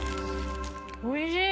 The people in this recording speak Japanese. ・おいしい！